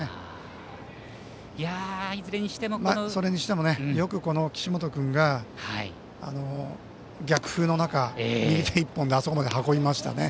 それにしても、よく岸本君が逆風の中、右手１本であそこまで運びましたね。